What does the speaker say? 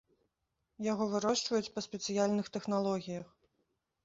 Яго вырошчваюць па спецыяльных тэхналогіях.